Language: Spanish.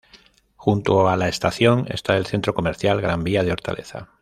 Junto a la estación está el Centro Comercial "Gran Vía de Hortaleza".